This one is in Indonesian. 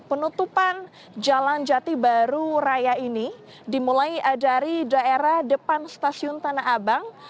penutupan jalan jati baru raya ini dimulai dari daerah depan stasiun tanah abang